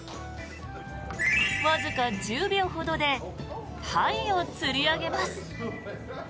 わずか１０秒ほどでタイを釣り上げます。